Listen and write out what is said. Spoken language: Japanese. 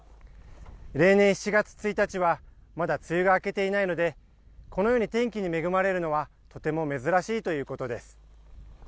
例年７月１日は、まだ梅雨が明けていないので、このように天気に恵まれるのは、とても珍しいということです。